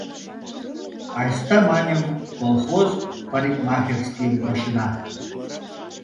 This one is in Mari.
Айста, маньым, колхоз парикмахерскийым почына.